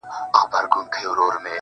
خود نو په دغه يو سـفر كي جادو,